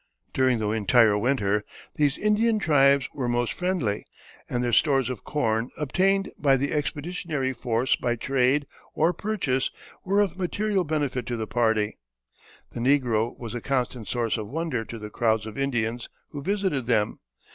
During the entire winter these Indian tribes were most friendly, and their stores of corn, obtained by the expeditionary force by trade or purchase, were of material benefit to the party. The negro was a constant source of wonder to the crowds of Indians who visited them.